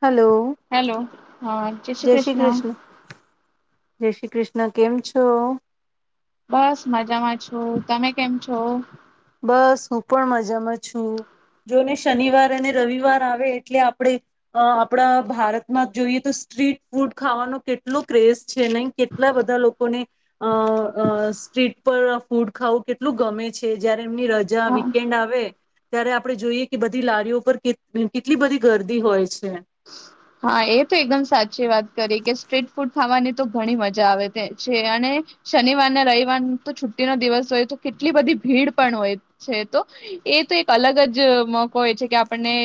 Hello. Hello હા જે શ્રી જય કિશન. કૃષ્ણ જય શ્રી કૃષ્ણ કેમ છો? બસ મજામાં છું તમે કેમ છો? બસ હું પણ મજામાં છું. જોને શનિવાર અને રવિવાર આવે એટલે આપણેે આપણા ભારતમાં જોઈએ તો સ્ટ્રીટ ફૂડ ખાવાનો કેટલો ક્રેઝ છે નહી, કેટલા બધા લોકોને અ સ્ટ્રીટ પર ફૂડ ખાવું કેટલું ગમે છે. જયારે એમની રજા હા વીકેન્ડ આવે. ત્યારે આપણે જોઈએ કે બધી લારીઓ પર કેટલી બધી ગર્દી હોય છે. હા એ તો એકદમ સાચી વાત કરી કે સ્ટ્રીટ ફૂડ ખાવાની તો ઘણી મજા આવે છે અને શનિવારને રવિવાર તો છુટીનો દિવસ હોય તો કેટલી બધી ભીડ પણ હોય છે. તો એ તો એક અલગ જ મોકો હોય છે કે આપણને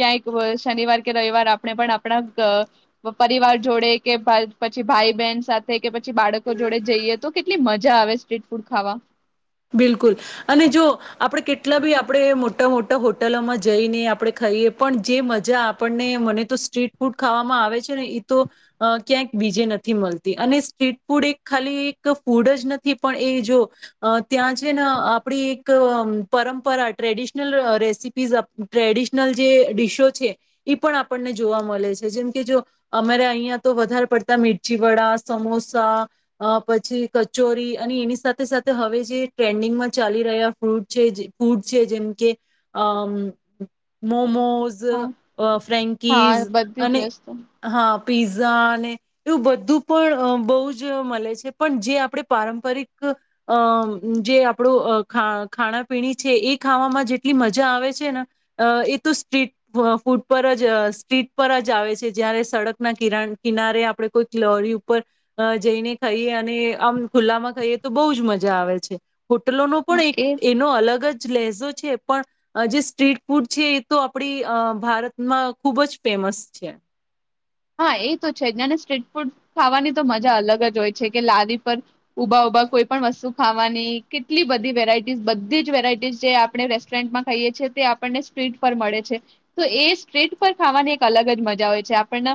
ક્યાંક શનિવાર કે રવિવાર આપણે પણ આપણા પરિવાર જોડે કે પછી ભાઈ બહેન સાથે કે પછી બાળકો જોડે જઈએ તો કેટલી મજા આવે સ્ટ્રીટ ફૂડ ખાવા. બિલકુલ. અને જો આપણે કેટલા બી આપણે મોટા મોટા હોટલોમાં જઈને આપણે ખાઈએ પણ જે મજા આપણને મને તો સ્ટ્રીટ ફૂડ ખાવામાં આવે છે ને એ તો ક્યાંક બીજે નથી મળતી, અને સ્ટ્રીટ ફૂડ એક ખાલી એક ફૂડ જ નથી પણ એ જો. અ ત્યાં છે ને આપણી એક પરંપરા ટ્રેડિશનલ રેસીપીઝ ટ્રેડિશનલ જે ડીશો છે એ પણ આપણને જોવા મળે છે. જેમકે જો અમારે અહીંયા તો વધારે પડતા મરચી વડા, સમોસા પછી કચોરી અને એની સાથે સાથે હવે જે ટ્રેન્ડિંગમાં ચાલી રહ્યા ફૂટ છે ફૂડ છે જેમકે મોમો. સ હા ફ્રેકીસ હા બધી અને જ વસ્તુ હા. પીઝા ને એવું બધું પણ બહુ જ મળે છે પણ જે આપણે પારંપરિક. અ જે આપણું ખા ખાણાપીણી છે એ ખાવામાં જેટલી મજા આવે છે ને અ એ તો સ્ટ્રીટ ફૂડ પર જ સ્ટ્રીટ પર જ આવે છે. જયારે સડકના કરા કિનારે આપણે કોઈક લારી ઉપર જઈને ખાઈએ અને આમ ખુલ્લામાં ખાઈએ તો બહુ જ મજા જ આવે છે. હોટલોનો પણ હા, એક એ એનો અલગ જ લેસ પણ જે સ્ટ્રીટ ફૂડ છે એ તો આપડી ભારતમાં ખુબ જ ફેમસ છે. હા એ તો છે નાને સ્ટ્રીટ ફૂડ ખાવાની તો મજા અલગ જ હોય છે કે લારી પર. ઊભા ઉભા કોઈ પણ વસ્તુ. ખાવાની કેટલી બધી વેરાયટીઝ બધી જ વેરાયટીઝ જે આપણે રેસ્ટોરન્ટમાં ખાઈએ છીએ તે આપણને સ્ટ્રીટ પર મળે છે. તો એ સ્ટ્રીટ પર ખાવાની એક અલગ જ મજા હોય છે આપણને.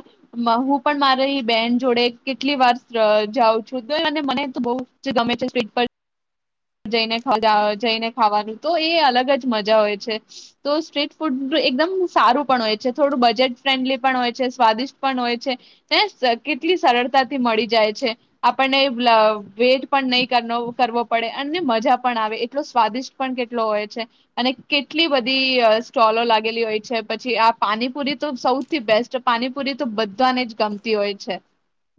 હું પણ મારી બેન જોડે કેટલી વાર જાઉં છું તો મને તો બ ગમે છે સ્પીડ પર. ને જઈને ખાવાનું તો એ અલગ જ મજા હોય છે તો સ્ટ્રીટ ફૂડ એકદમ સારું પણ હોય છે. થોડું બજેટ ફ્રેન્ડલી પણ હોય છે, સ્વાદિષ્ટ પણ હોય છે, ને કેટલી સરળતાથી મળી જાય છે. આપણને વેટ પણ નહીં કરવો. પડે અને મજા પણ આવે એટલો સ્વાદિષ્ટ પણ કેટલો હોય છે અને કેટલી બધી સ્ટોલો લાગેલી હોય છે પછી આ પાનીપુરી તો સૌથી બેસ્ટ પાનીપુરી તો બધાને જ ગમતી હોય છે.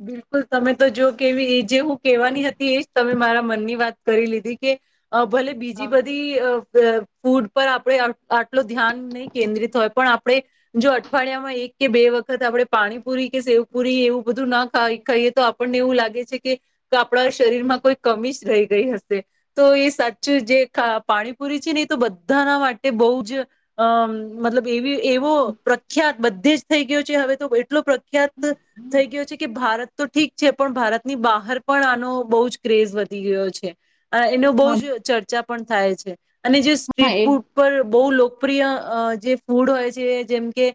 બિલકુલ તમે તો જો કેવી એ જે હું કેવાની હતી એજ તમે મારા મનની વાત કરી લીધી કે. અ ભલે બીજી હા બધી અ અ ફૂડ પર આપણે આટલ ધ્યાન નહી કેન્દ્રિત હોય પણ આપણે જો અઠવાડિયામાં એક કે બે વખત આપણે પાણીપુરી કે સેવપુરી એવું બધું ના ખાઈ કઈએ તો આપણને એવું લાગે છે કે આપણા શરીરમાં કોઈ કમી જ રહી ગઈ હશે. તો એ સાચું જે પાણીપુરી છે ને એ તો બધાના માટે બહુ જ અ મતલબ એવી એવો પ્રખ્યાત બધે જ થઈ ગયો છે હવે તો એટલો પ ખ્યાત થઈ ગયો છે. ભારત તો ઠીક છે પણ ભારતની બહાર પણ આનો બહુ જ ક્રેઝ વધી ગયો છે. એનો બો જ ચર્ચા. પણ થાય છે. અને જે હા સ્ટ્રીટ એ ફૂડ પર બહુ લોકપ્રિય જે ફૂડ હોય છે જેમ કે,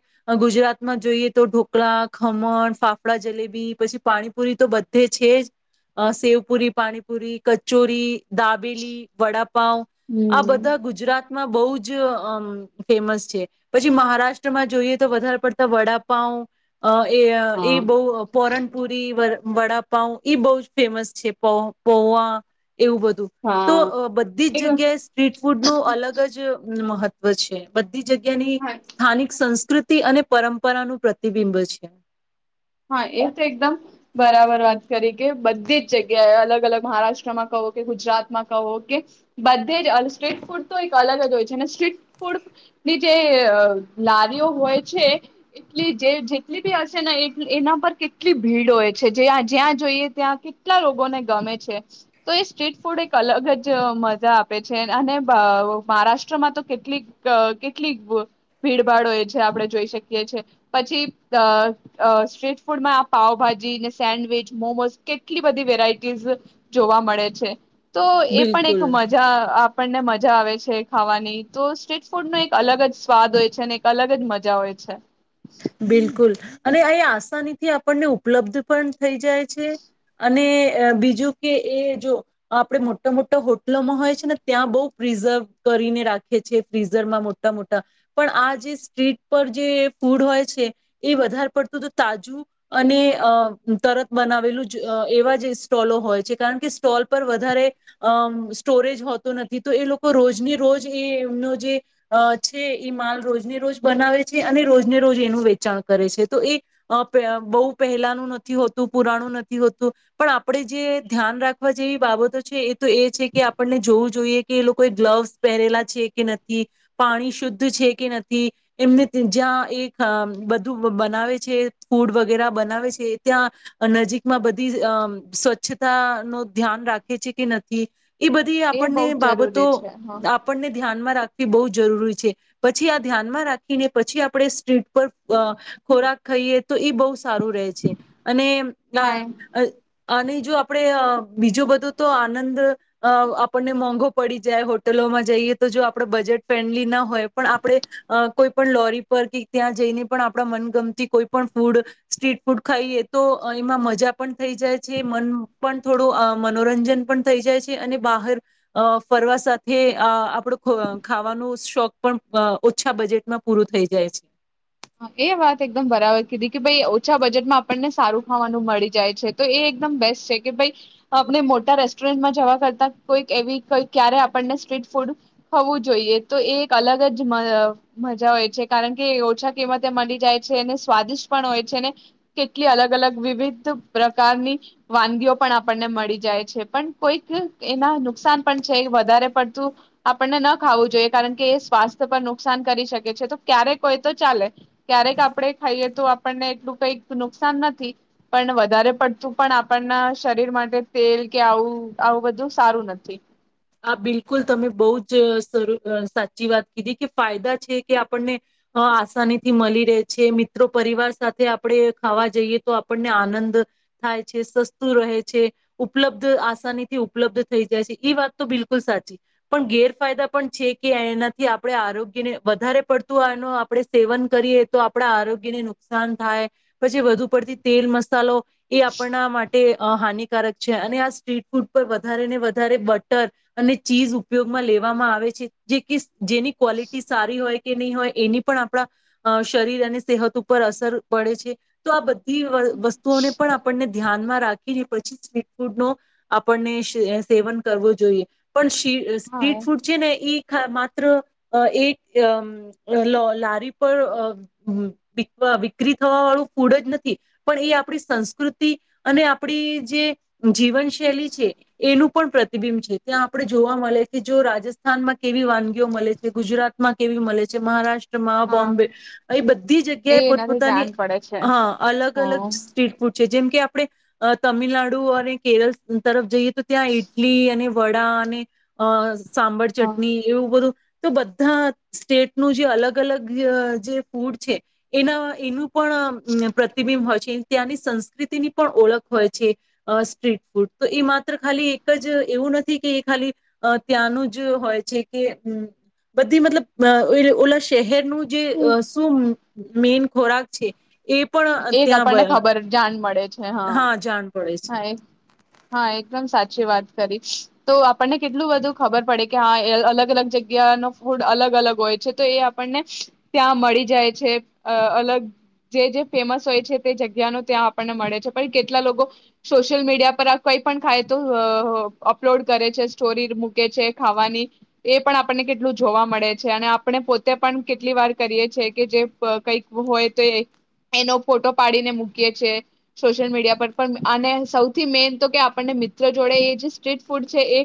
ગુજરાતમાં જોઈએ તો ઢોકળા, ખમણ, ફાફડા, જલેબી પછી પાણીપુરી તો બધે છે જ, સેવપુરી, પાણીપુરી કચોરી, દાબેલી, વડા પાવ, આ હમ બધા ગુજરાત મા બૌં જ અ ફેમસ છે, પછી મહારાષ્ટ્રમાં જોઈએ તો વધારે પડતા વડાપાાવ અ એ-એ હા બૌવ પોરનપુરી, વડાપઉ ઈ બહુ જ ફેમસ છે પો પોવા એવું બધું, તો હા બધી જ એક જગ્યાએ સ્ટ્રીટ ફૂડનું અલગ જ મહત્વ છે, બ જગ્યાની સ્થાનિક સંસ્થા સંસ્કૃતિ અને પરંપરાનું પ્રતિબિંબ છે. હા એ તો એકદમ, બરાબર વાત કરી કે બધી જ જગ્યાએ અલગ-અલગ મહારાષ્ટ્રમાં કહો કે ગુજરાતમાં કહો કે, બધે જ સ્ટ્રીટ ફૂડ તો એક અલગ જ હોય છે, અને સ્ટ્રીટ ફૂડ ની જે લારીઓ હોય છે એટલી જે જેટલી બી હશે ને એ એના પર ક કેટલી ભીડ હો છે જે આં જ્યાં જોઈએ ત્યાં કેટલા લોકોને ગમે છે, તો એ સ્ટ્રીટ ફૂડ એક અલગ જ મજા આપે છે અને મહારાષ્ટ્રમાં તો કેટલીક-કેટલીક, ભીડભાડો એ છે આપણે જોઈ શકીએ છેએ, પછી અ અ સ્ટ્રીટ ફૂડમાં આ પાાવભાજીને સેન્ડવીચ, મોમોઝ કેટલી બધી વેરાયટીઝ, જોવા મળે છે. તો એ પણ બિલકુલ એક મજા આ આપણને મજા આવે છે ખાવાની. તો સ્ટ્રીટ ફૂડ નો એક અલગ જ સ્વાદ હોય છે, અને એક અલગ જ મજા હોય છે. બિલકુલ અને એ આસાનીથી આપણને ઉપલબ્ધ પણ થઈ જાય છે. અને અહ બીજું કે એ જો આપણે મોટો મોટો હોટલોમાં હોય છે ને ત્યાં બહુ પ્રિઝર્વ કરીને રાખે છે ફિઝરમાં મોટા-મોટા. પણ આ જે સ્ટ્રીટ પર જે ફૂડ હોય છે એ વધારે પડતું તો તાજું અને અહ તરત બનાવેલું જ અહ એવા જે સ્ટોલો હોય છે. કારણ કે સ્ટોલ પર વધારે અહ સ્ટોરેજ હોતો નથી તો એ લોકો રોજને રોજ એમનો જે છે અહ એ માલ રોજને રોજ બનાવે છે અને રોજ ને રોજ એનું વેચાણ કરે છે. તો એ અહ પે બહુ પહેલાનું નથી હોતું પુરાણું નથી હોતું પણ આપણે જે ધ્યાન રાખવા જેવી બાબતો છે એ તો એ છે કે આપણને જોવું જોઈએ કે એ લોકોએ ગ્લવ્સ પહેરેલા છે કે નથી. પાણી શુદ્ધ છે કે નથી. એમને જ્યાં એક આમ બધું બનાવે છે ફૂડ વગેરા બનાવે છે ત્યાં નજીકમાં બધી અમ્મ સ્વચ્છતા નું ધ્યાન રાખે છે કે નથી એ બધી એ બહુ આપણને જ બાબતો જરૂરી છે હા આપણને ધ્યાનમાં રાખ એ બહુ જ જરૂરી છે પછી આ ધ્યાનમાં રાખીને પછી આપણે સ્ટ્રીટ પર અહ ખોરાક ખાઈએ તો એ બહુ સારું રહે છે. અને આહ હા એમ અહ અહ નહીં જો આપણેે અહ બીજું બધું તો આનંદ અહ આપણને મોંઘો પડી જાય હોટલોમાં જઈએ તો જો આપણે બજેટ ફ્રેન્ડલી ના હોય પણ આપણે અહ કોઈ પણ લોરી પર કી ત્યાં જઈને પણ આપણા મનગમતી કોઈ પણ ફૂડ સ્ટ્રીટ ફૂડ ખાઈએ તો અહ એમાં મજા પણ થઈ જાય છે મન પણ થોડું અહ મનોરંજન પણ થઈ જાય છે. અને બહાર અહ ફરવા સાથે આહ આપણો ખો-ખાવાનો શોખ પણ અહ ઓછા બજેટમાં પૂરું થઈ જાય છે. હા, એ વાત એકદમ બરાબર કીધી કે ભાઈ ઓછા બજેટમાં આપણને સારું ખાવાનું મળી જાય છે. તો એ એકદમ બેસ્ટ છે કે ભાઈ આપણે મોટા રેસ્ટોરન્ટમાં જવા કરતા કોઈક એવીઈ ક્યારે આપણને સ્ટ્રીટ ફૂડ ખવું જોઈએ તો એ એક અલગ જ મ-મજા હોય છે કારણ કે ઓછા કિંમતે મલી જાય છે એને સ્વાદિષ્ટ પણ હોય છેને કેટલી અલગ-અલગ વિવિધ પ્રકારની વાનગીઓ પણ આપણને મળી જાય છે. પણ કોઈક એના નુકસાન પણ છે એ વધારે પડતું આપણને ના ખાવું જોઈએ કારણ કે એ સ્વાસ્થ્ય પર નુકસાન કરી શકે છે તો ક્યારે કોઈ તો ચાલે. ક્યારેક આપણેે ખાઈએ તો આપણને એટલું કઈક નુકસાન નથી પણ વધારે પડતું પણ આપણના શરીર માટે તેલ કે આવું-આવું બધું સારું નથી. આ બિલકુલ તમે બહુજ સર સાચી વાત કીધી કે ફાયદા છે કે આપણને અહ આસાનીથી મલી રહે છે. મિત્રો પરિવાર સાથે આપણે ખાવા જઈએ તો આપણને આનંદ થાય છે સસ્તું રહે છે ઉપલબ્ધ આસાનીથી ઉપલબ્ધ થઈ જાય છે ઈ વાત તો બિલકુલ સાચી. પણ ગેરફાયદા પણ છે કે એનાથી આપણે આરોગ્યને વધારે પડતું આનું આપણે સેવન કરીએ તો આપણા આરોગ્યને નુકસાન થાય પછી વધુ પડતી તેલ મસાલો એ આપણા માટ તે અહ હાનિકારક છે અને આ સ્ટ્રીટ ફૂડ પર વધારે ને વધારે બ ટર અને ચીઝ ઉપયોગમાં લેવામાં આવે છે જે કિસ જેની ક્વલિટી સારી હોય કે નહીં હોય એની પણ આપણા અહ શરીર અને સેહત ઉપર અસર પડે છે. તો આ બધ તી વ-વસ્તુઓને પણ આપણને ધ્યાનમાં રાખીને પછી સ્ટ્રીટ ફૂડનો આપણને શે સેવન કરવું જોઈએ. પણ તે હા સ્ટ્રીટ ફૂડ છે ને ઈ હા માત્ર એક અ લો લારી પર અ વિકરી થવા વાળું ફૂડ જ નથી પણ એ આપણી સંસ્કૃતિ અને આપણી જે જીવન શૈલી છે એનું પણ પ્રતી પ્રતિબિંબ છે. ત્યાં આપડે જોવા મળે કે જો રાજસ્થાનમાં કેવી વાનગીઓ મળે છે, ગુજરાત માં કેવી મળે છે મહારાષ્ટ્ર મહારાષ્ટ્રમા. હા. બોમ્બે એ બધી એ જગ્યાએ એનાથી પોતપોતાની જાન પડે છે. હા અલગ-અલગ હા સ્ટ્રીટ ફૂડ છે. જેમ કે આપણે અ તમિલનાડુ અને કેરળ તરફ જઈએ તો ત્યાં ઇડ તેને વડા અને અ સાંભર હા. ચટણી એવું બધું તો બધા સ્ટેટનું જે અલગ-અલગઅ જે ફૂડ છે એના એનું પણ પ્રતિબિંબ હોય છે. કે ત્યાંની સંસ્કૃતિની પણ ઓળખ હોય છે અ સ્ટ્રીટ ફૂડ. તો એ માત્ર ખાલી જ એવું નથી કે ખાલી અ ત્યાંનું જ હોય છે કે બધી મતલબ અ ઓલા શહેર નુ જે શું મેન ખોરાક છે. એ પણ એક ત્યાં આપણને બ ખબર જાણ મળે. હા જાણ પડે છે. હા હા એકદમ સાચ. સાચી વાત કરી તો આપણને કેટલું બધું ખબર પડે કે હા એ અલગ-અલગ જગ્યાનો ફૂડ અલગ-અલગ હોય છે. તે એ આપણને ત્યાં મળી જાય છે. અ અલગ જે જે ફેમસ હોય છે તે જગ્યા ન ત્યાં આપણને મળે છે. પણ કેટલા લોકો સોશિયલ મીડિયા પર આ કઈ પણ ખાય તો અ અપલોડ કરે છે સ્ટોરી મૂકે છે ખાવાની એ પણ આપણને કેટલું જોવા મળે છે. અને આપણે પોતે પણ કેટલી વાર કરીએ છે કે જે કંઈક હોય તો એનો ફોટો પાડીને મૂકીએ છીએ સોશિયલ મીડિયા પર. પણ અને સૌથી મેન તો કે આપણને મિત્ર જોડે એ જે સ્ટ્રીટ ફૂડ છે એ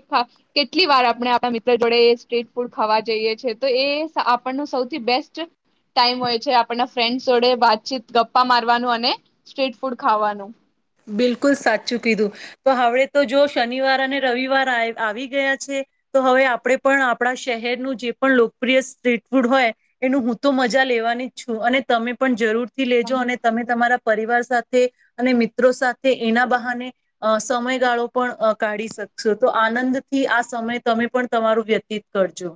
કેટલી વાર આપણે આપણા મિત્ર જોડે એ સ્ટ્રીટ ફૂડ ખાવા જઈએ છે તો એ આપણનો સૌથી બેસ્ટ ટાઈમ હોય છે આપણના ફ્રેન્ડ્સ જોડે વાતચીત ગપ્પા મારવાનું અને સ્ટ્રીટ ફૂડ ખાવાનું. બિલકુલ સાચું કીધું. તો હવે તો જો શનિવાર અને રવિવાર આવી ગયા છે તો હવે આપણે પણ આપણા શહેરનું જે પણ લોકપ્રિય સ્ટ્રીટ ફૂડ હોય એનું હું તો મજા લેવાની જ છું અને તમે પણ જરૂર થી લેજો અને તમે તમારા પરિવાર સાથે અને મિત્ર મિત્રો સાથે એના બહાને અ સમયગાળો પણ કાઢી અ શકશો તો આનંદથી આ સમય તમે પણ તમારું વ્યતીત કરજો.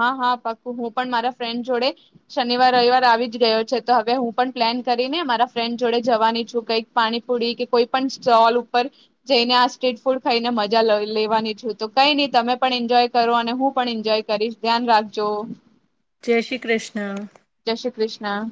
હા-હા પાક્કુ. હું પણ મારા ફ્રેન્ડ જોડે શનિવાર રવિવાર આવી જ ગયો છે. તો હવે હું પણ પ્લાન કરીને મારા ફ્રેન્ડ જોડે જવાની છું. કઈક પાણીપુરી કે કોઈ પણ સ્ટોલ ઉપર જઈને આ સ્ટ્રીટ ફૂડ ખાઈને મજા લેવાની છું. તો કઈ નહી તમે પણ એન્જોય કરો અને હું પણ એન્જોય કરીશ. ધ્યાન રાખજો. જય શ્રી કૃષ્ણ. જય શ્રી કૃષ્ણ.